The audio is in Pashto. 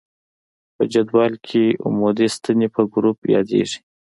په جدول کې عمودي ستنې په ګروپ یادیږي.